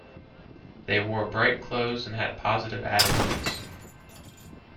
They wore bright clothes and had positive attitudes.